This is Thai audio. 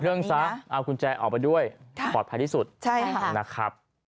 เครื่องซะเอากุญแจออกไปด้วยปลอดภัยที่สุดนะครับ